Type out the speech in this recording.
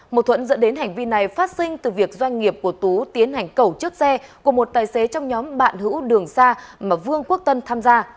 một thuẫn dẫn đến hành vi này phát sinh từ việc doanh nghiệp của tú tiến hành cẩu chiếc xe của một tài xế trong nhóm bạn hữu đường xa mà vương quốc tân tham gia